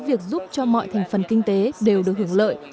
việc giúp cho mọi thành phần kinh tế đều được hưởng lợi